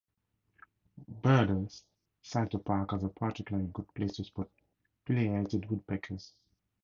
Birders cite the park as a particularly good place to spot pileated woodpeckers.